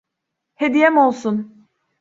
Hediyem olsun.